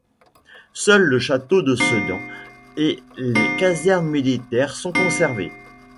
Seul le château de Sedan et les casernes militaires sont conservés.